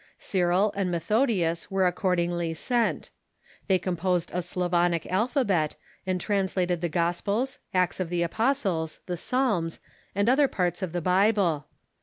Cyril and Methodius were accordingly 142 THE MEDIEVAL CHURCH sent. They composed a Slavonic alphabet, and translated the Gospels, Acts of the Apostles, the Psalms, and other parts of the Bible.